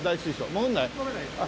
潜らないです。